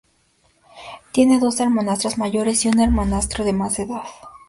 Tiene dos hermanastras mayores y un hermanastro de más edad.